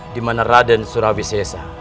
dimana raden surawi sesa